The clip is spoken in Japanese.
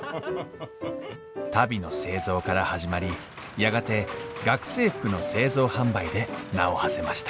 足袋の製造から始まりやがて学生服の製造販売で名をはせました。